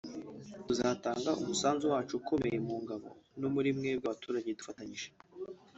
tuzatanga umusanzu wacu ukomoka mu ngabo no muri mwebwe abaturage dufatanyije